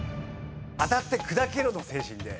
当たって砕けろの精神で。